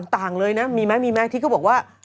ต่างเลยนะมีไหมมีไหมที่เขาบอกว่า